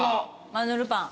マヌルパン。